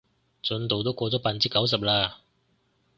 進度都過咗百分之九十啦